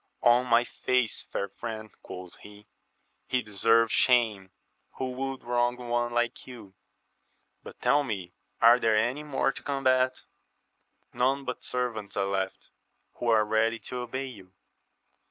On my faith, fair friend, quoth he, he deserves shame who would wrong one like you ! but tell me, are there any more to combat? — None but servants are left, who are ready to obey you.